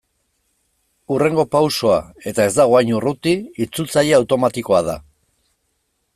Hurrengo pausoa, eta ez dago hain urruti, itzultzaile automatikoa da.